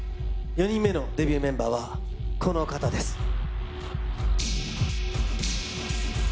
４人目のデビューメンバーは、この方です。